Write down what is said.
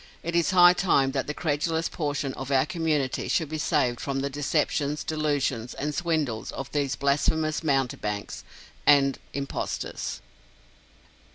It is high time that the credulous portion of our community should be saved from the deceptions, delusions, and swindles of these blasphemous mountebanks and impostors.